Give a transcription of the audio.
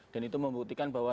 dan itu membuktikan bahwa